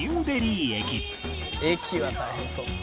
「駅は大変そう」